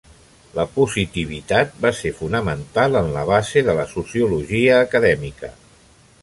La positivitat va ser fonamental en la base de la sociologia acadèmica.